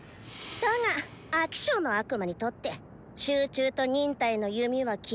だが飽き性の悪魔にとって集中と忍耐の弓は鬼門。